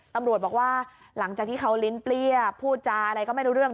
ตำรวจบอกว่าหลังจากที่เขาลิ้นเปรี้ยพูดจาอะไรก็ไม่รู้เรื่อง